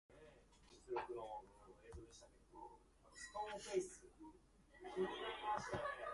The Honda derived chassis was reported to give a comfortable but unsporting ride.